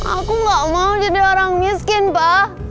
aku gak mau jadi orang miskin pak